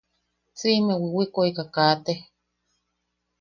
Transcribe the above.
Siʼime wiwikoʼekai kaate.